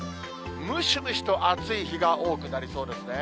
ムシムシと暑い日が多くなりそうですね。